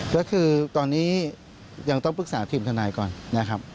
ก็คือตอนนี้ยังต้องปรึกษาทีมทนายก่อนนะครับ